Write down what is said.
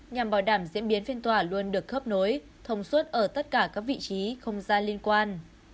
nhằm bảo đảm diễn biến phiên tòa luôn được khớp nối thông suốt ở tất cả các vị trí không gian liên quan